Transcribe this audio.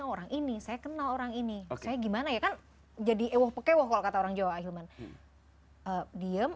orang ini saya kenal orang ini saya gimana ya kan jadi ewo kekewo kata orang jawa ilman diem